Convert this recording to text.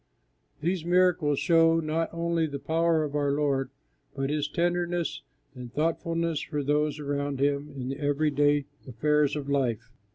These miracles show not only the power of our Lord, but His tenderness and thoughtfulness for those around Him in the everyday affairs of life.